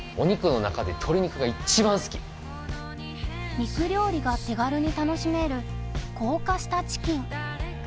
肉料理が手軽に楽しめる高架下チキン。